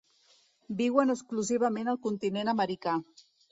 Viuen exclusivament al continent americà.